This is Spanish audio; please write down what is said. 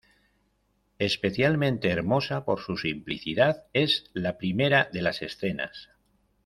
Especialmente hermosa por su simplicidad es la primera de las escenas.